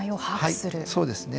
そうですね。